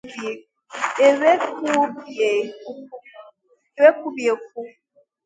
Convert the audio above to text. e wee kwubie okwu